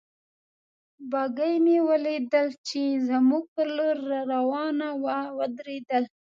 بګۍ مې ولیدل چې زموږ پر لور را روانه وه، ودرېدل.